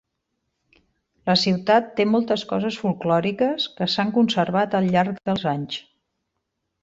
La ciutat té moltes coses folklòriques que s'han conservat al llarg dels anys.